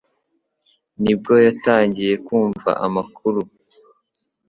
nibwo yatangiye kumva amakuru